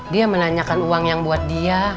dia menanyakan uang yang buat dia